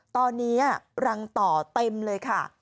ตอนนี้รังต่อเต็มเลยค่ะ